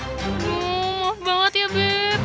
aduh maaf banget ya beb